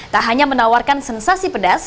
tak hanya menawarkan sensasi pedas